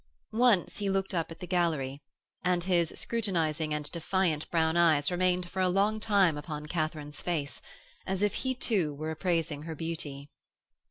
Once he looked up at the gallery, and his scrutinising and defiant brown eyes remained for a long time upon Katharine's face, as if he too were appraising her beauty.